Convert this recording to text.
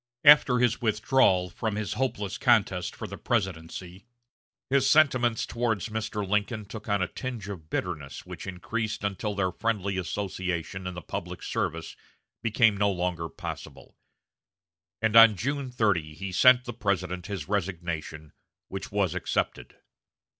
After his withdrawal from his hopeless contest for the presidency, his sentiments toward Mr. Lincoln took on a tinge of bitterness which increased until their friendly association in the public service became no longer possible; and on June 30 he sent the President his resignation, which was accepted.